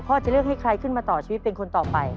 จะเลือกให้ใครขึ้นมาต่อชีวิตเป็นคนต่อไป